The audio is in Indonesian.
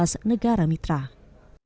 di sela sela rangkaian kegiatan